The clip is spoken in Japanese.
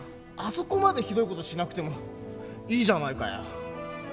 そこまでひどい事しなくてもいいじゃないかよ。